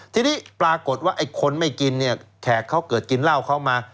ทีนี้ปรากฏว่าไอ้คนไม่กินเนี่ยแขกเขาเกิดกินเหล้าเขามา